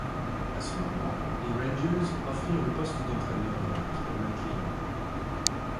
À ce moment, les Rangers offrirent le poste d'entraîneur de leur équipe à McLean.